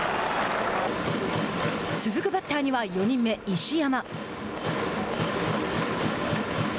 続くバッターには４人目、石山。